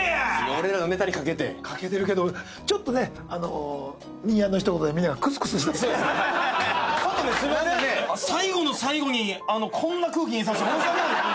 俺らのネタにかけてかけてるけどちょっとね新山のひと言でみんながクスクス最後の最後にこんな空気にさして申し訳ないです